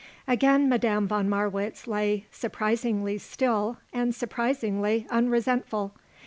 Again Madame von Marwitz lay, surprisingly still and surprisingly unresentful.